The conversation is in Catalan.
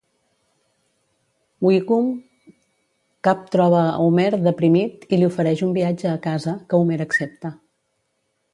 Wiggum cap troba Homer deprimit i li ofereix un viatge a casa, que Homer accepta.